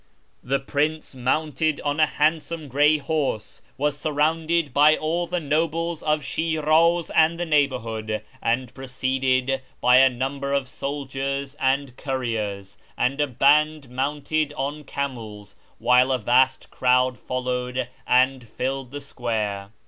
The l*rince, mounted on a hand some gray liorse, was surrounded by all the nobles of Sln'nlz and the neighbourhood, and preceded by a number of soldiers and couriers, and a band mounted on camels, while a vast crowd followed and filled the square.